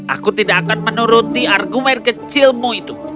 aku tidak akan menuruti argumen kecilmu itu